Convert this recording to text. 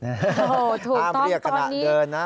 โอ้โฮถูกต้อนตอนนี้ห้ามเรียกขณะเดิน